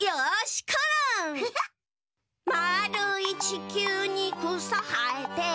「まーるいちきゅうにくさはえて」